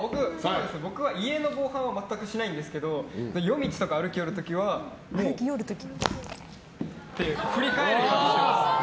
僕は家の防犯は全くしてないんですけど夜道とか歩きよる時は振り返るようにしてます。